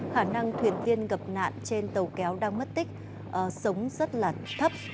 khả năng thuyền viên gặp nạn trên tàu kéo đang mất tích sống rất là thấp